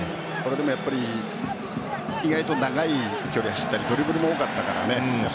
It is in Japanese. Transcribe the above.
でも、意外と長い距離を走ったりドリブルも多かったからね。